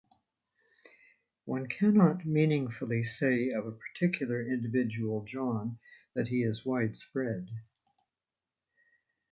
One cannot meaningfully say of a particular individual John that he is widespread.